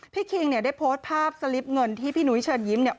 คิงเนี่ยได้โพสต์ภาพสลิปเงินที่พี่นุ้ยเชิญยิ้มเนี่ย